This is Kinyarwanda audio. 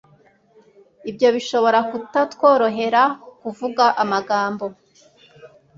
Ibyo bishobora kutatworohera Kuvuga amagambo